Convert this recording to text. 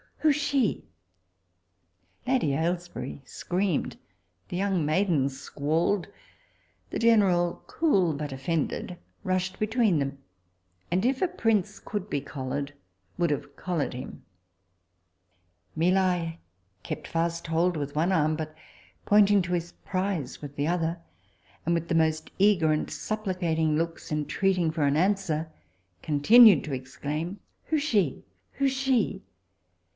who she_? Lady Ailesbury screamed, the young maiden squalled, the general, cool but offended, rushed between them, and if a prince could be collared, would have collared him Mi Li kept fast hold with one arm, but pointing to his prize with the other, and with the most eager and supplicating looks intreating for an answer, continued to exclaim, Who she? who she?